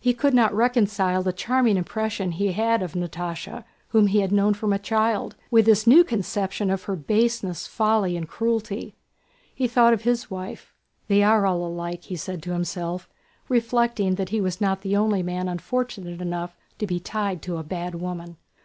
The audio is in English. He could not reconcile the charming impression he had of Natásha, whom he had known from a child, with this new conception of her baseness, folly, and cruelty. He thought of his wife. "They are all alike!" he said to himself, reflecting that he was not the only man unfortunate enough to be tied to a bad woman.